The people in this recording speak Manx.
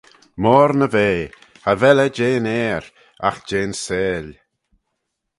Moyrn y vea, cha vel eh jeh'n Ayr, agh jeh'n seihll.